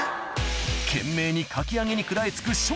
懸命にかき揚げに食らい付くしょ